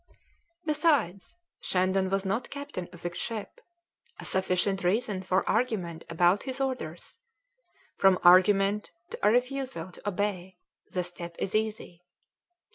Besides, Shandon was not captain of the ship, a sufficient reason for argument about his orders; from argument to a refusal to obey the step is easy.